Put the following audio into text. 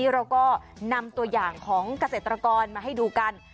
เราก็นำตัวอย่างของเกษตรกรมาให้ดูกัน